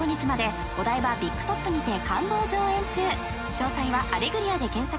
［詳細はアレグリアで検索。